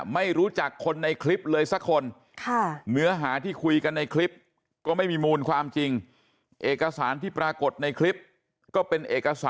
ไม่รู้จักคนในคลิปเลยซะคน